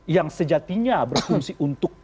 yang sejatinya berfungsi untuk